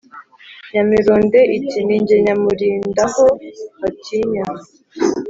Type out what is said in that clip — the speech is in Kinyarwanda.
nyamirunde iti : ni jye nyamurind-aho-batinya,